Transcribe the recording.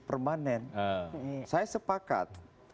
permanen saya sepakat